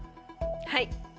はい。